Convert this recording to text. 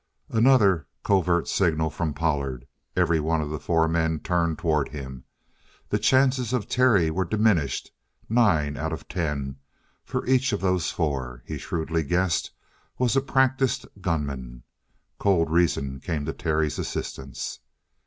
Another covert signal from Pollard. Every one of the four turned toward him. The chances of Terry were diminished, nine out of ten, for each of those four, he shrewdly guessed, was a practiced gunman. Cold reason came to Terry's assistance.